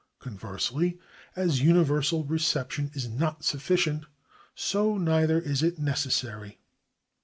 Con versely, as universal reception is not sufficient, so neither is it necessary.